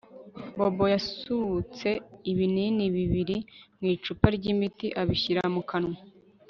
Bobo yasutse ibinini bibiri mu icupa ryimiti abishyira mu kanwa